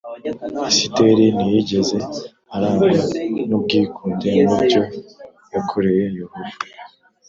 Esiteri ntiyigeze arangwa n ubwikunde mu byo yakoreye Yehova